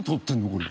これ。